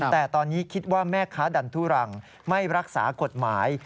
แต่ตอนนี้คิดว่าแม่ค้าดันทุรังไม่รักษากฎหมาย